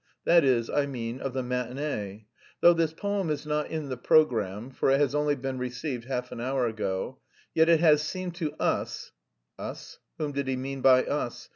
that is, I mean, of the matinée. Though this poem is not in the programme... for it has only been received half an hour ago... yet it has seemed to us" (Us? Whom did he mean by us?